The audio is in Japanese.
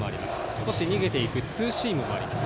少し逃げていくツーシームもあります。